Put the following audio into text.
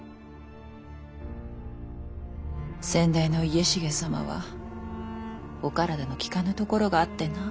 先代の家重様はお体のきかぬところがあってな。